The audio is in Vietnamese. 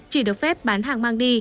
chỉ được phép bán hàng mang đi